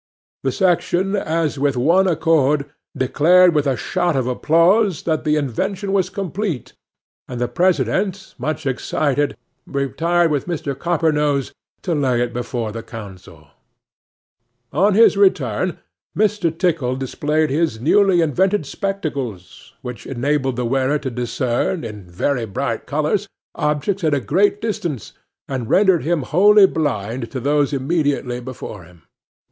'The section, as with one accord, declared with a shout of applause that the invention was complete; and the President, much excited, retired with Mr. Coppernose to lay it before the council. On his return, 'MR. TICKLE displayed his newly invented spectacles, which enabled the wearer to discern, in very bright colours, objects at a great distance, and rendered him wholly blind to those immediately before him.